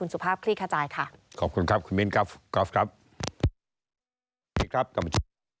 สวัสดีครับต่ำชาวสวน